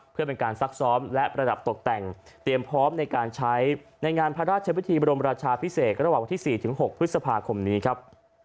เพื่อเป็นการซักซ้อมและประดับตกแต่งเตรียมพร้อมในการใช้ในงานพระราชวิธีบรมราชาพิเศษระหว่างวันที่๔๖พฤษภาคมนี้ครับ